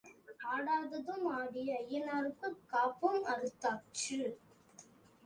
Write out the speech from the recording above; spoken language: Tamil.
ஆடாததும் ஆடி ஐயனாருக்குக் காப்பும் அறுத்தாச்சு.